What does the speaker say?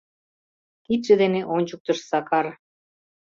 — Кидше дене ончыктыш Сакар.